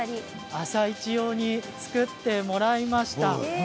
「あさイチ」用に作ってもらいました。